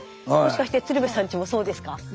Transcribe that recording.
もしかして鶴瓶さんちもそうですか？